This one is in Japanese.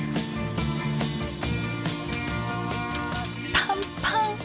パンパン！